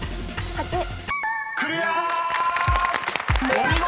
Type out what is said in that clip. ［お見事！